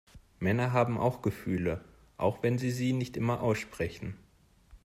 Männer haben auch Gefühle, auch wenn sie sie nicht immer aussprechen.